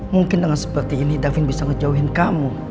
mungkin dengan seperti ini davin bisa ngejauhin kamu